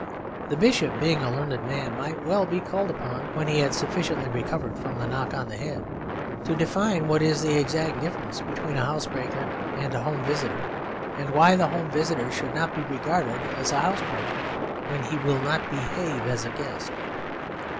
The bishop, being a learned man, might well be called upon (when he had sufficiently recovered from the knock on the head) to define what is the exact difference between a house breaker and a home visitor; and why the home visitor should not be regarded as a house breaker when he will not behave as a guest.